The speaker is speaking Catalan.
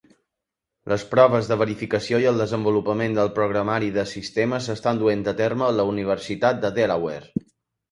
Les proves de verificació i el desenvolupament del programari de sistema s'estan duent a terme a la Universitat de Delaware.